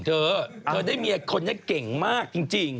เธอได้เมียคนเก่งมากจริง